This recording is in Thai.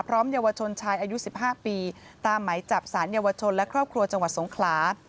เยาวชนชายอายุ๑๕ปีตามไหมจับสารเยาวชนและครอบครัวจังหวัดสงขลา